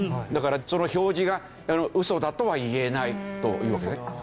だからその表示がウソだとは言えないというわけですね。